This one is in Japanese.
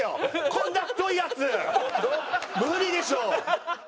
こんな太いやつ無理でしょ！